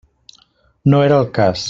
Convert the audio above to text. No era el cas.